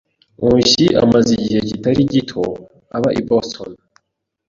Nkusi amaze igihe kitari gito aba i Boston.